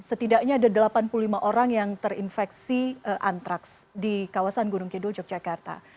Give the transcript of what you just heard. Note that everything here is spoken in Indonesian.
setidaknya ada delapan puluh lima orang yang terinfeksi antraks di kawasan gunung kidul yogyakarta